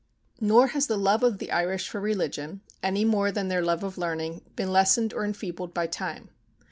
Nor has the love of the Irish for religion, any more than their love of learning, been lessened or enfeebled by time.